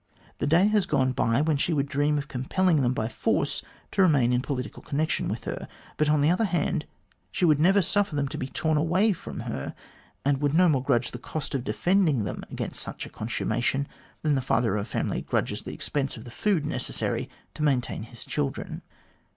The day has gone by when she would dream of compelling them by force to remain in political connection with her. But, on the other hand, she would never suffer them to be torn away from her ; and would no more grudge the cost of defending them against such a consummation than the father of a family grudges the expense of the food necessary to maintain his children.